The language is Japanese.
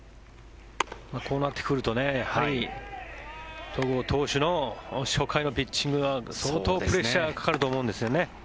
こうなってくると戸郷投手の初回のピッチング相当、プレッシャーがかかると思うんですよね。